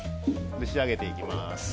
仕上げていきます。